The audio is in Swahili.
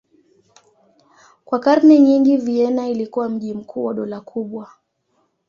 Kwa karne nyingi Vienna ilikuwa mji mkuu wa dola kubwa.